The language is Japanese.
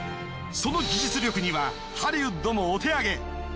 その技術力にはハリウッドもお手上げ。